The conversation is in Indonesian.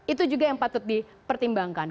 itu juga yang patut dipertimbangkan